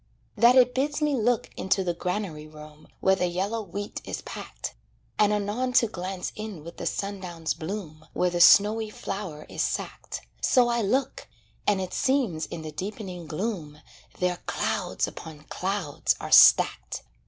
That it bids me look into the granary room Where the yellow wheat is packed; And anon to glance in with the sundown's bloom Where the snowy flour is sacked, So I look and it seems in the deepening gloom There clouds upon clouds are stacked.